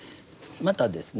またですね